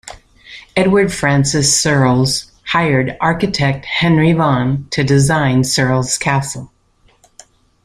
Edward Francis Searles hired architect Henry Vaughan to design Searles Castle.